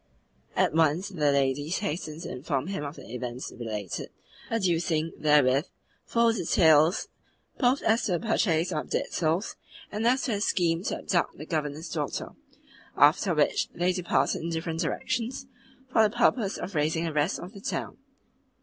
At once the ladies hastened to inform him of the events related, adducing therewith full details both as to the purchase of dead souls and as to the scheme to abduct the Governor's daughter; after which they departed in different directions, for the purpose of raising the rest of the town.